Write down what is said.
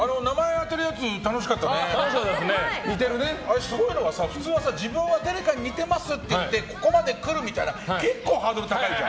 あれ、すごいのが普通、自分は誰かに似てますって言ってここまで来るって結構、ハードル高いじゃん。